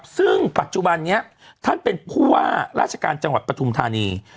ซึ่งปัจจุบันนี้ท่านเป็นผู้ว่าราชการจังหวัดปฐุมธานี